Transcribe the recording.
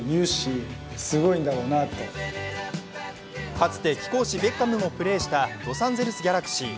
かつて貴公子・ベッカムもプレーしたロサンゼルス・ギャラクシー。